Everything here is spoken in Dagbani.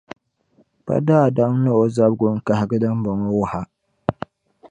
pa daadam ni o zabigu n-kahigi dimbɔŋɔ wuh’ a.